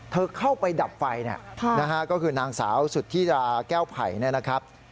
เธอเข้าไปดับไฟนะครับก็คือนางสาวสุดที่แก้วไผ่นะครับ